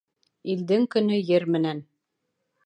Илдең көнө ер менән.